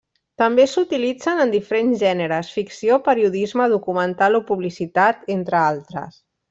També s'utilitzen en diferents gèneres: ficció, periodisme, documental o publicitat, entre altres.